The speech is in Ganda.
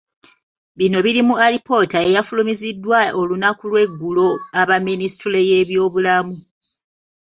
Bino biri mu alipoota eyafulumiziddwa olunaku lw'eggulo aba minisitule y'ebyobulamu.